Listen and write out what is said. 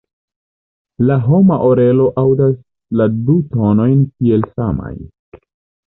La homa orelo aŭdas la du notojn kiel samajn.